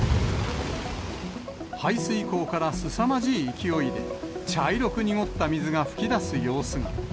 排水溝からすさまじい勢いで、茶色く濁った水が噴き出す様子が。